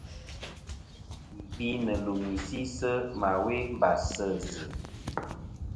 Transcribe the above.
Yì gvi nɨ̀ lùmì si sɨ ma we mbas sɨ zɨ.